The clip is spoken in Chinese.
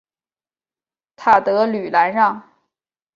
塔德吕兰让。